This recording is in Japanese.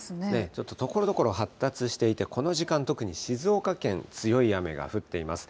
ちょっとところどころ、発達していて、この時間、特に静岡県、強い雨が降っています。